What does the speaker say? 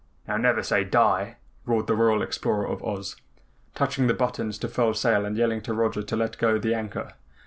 "Now never say die!" roared the Royal Explorer of Oz, touching the buttons to furl sail and yelling to Roger to let go the anchor.